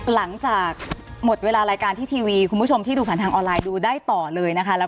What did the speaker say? หลังจากหมดเวลารายการที่ทีวีคุณผู้ชมที่ดูผ่านทางออนไลน์ดูได้ต่อเลยนะคะ